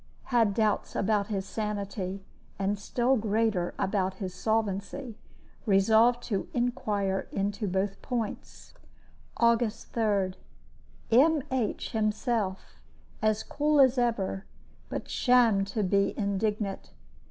Had doubts about his sanity, and still greater about his solvency. Resolved to inquire into both points. "August 3. M. H. himself, as cool as ever, but shammed to be indignant.